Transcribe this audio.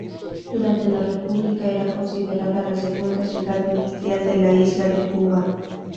Durante la República era considerada la segunda ciudad industrial de la isla de Cuba.